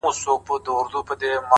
علم د انسان د فکر رڼا ده,